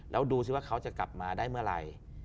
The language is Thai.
แล้วดูสิว่าเขาจะกลับมาได้เมื่อไหร่